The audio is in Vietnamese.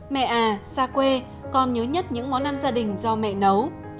mẹ à xa quê còn nhớ nhất những món ăn gia đình do mẹ nấu